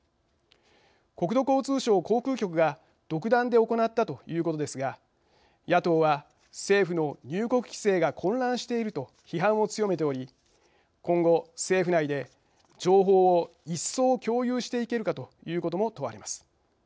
国土交通省航空局が独断で行ったということですが野党は、政府の入国規制が混乱していると批判を強めており今後、政府内で情報を一層共有していけるかということも問われます。